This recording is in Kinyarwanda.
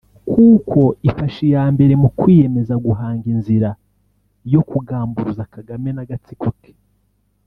kuko ifashe iya mbere mu kwiyemeza guhanga inzira yo kugamburuza Kagame n’agatsiko ke